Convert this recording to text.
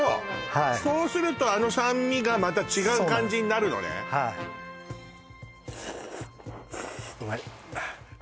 はいそうするとあの酸味がまた違う感じになるのねそうなんですよ